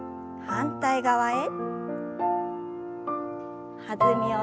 反対側へ。